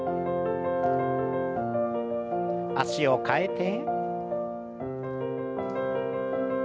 脚を替えて。